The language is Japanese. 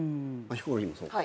ヒコロヒーもそうか。